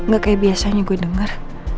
gak kayak biasanya gue denger